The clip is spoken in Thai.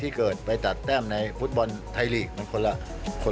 แล้วก็กำหนดทิศทางของวงการฟุตบอลในอนาคต